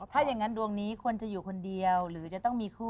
ถ้าอย่างนั้นดวงนี้ควรจะอยู่คนเดียวหรือจะต้องมีคู่